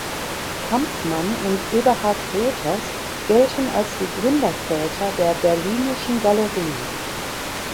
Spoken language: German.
Kampmann und Eberhard Roters gelten als die Gründerväter der Berlinischen Galerie.